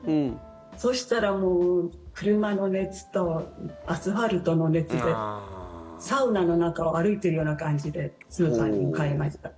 そしたらもう車の熱とアスファルトの熱でサウナの中を歩いているような感じでスーパーに向かいました。